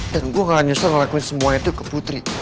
dan gue gak nyesel ngelakuin semua itu ke putri